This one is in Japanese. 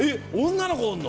女の子おんの？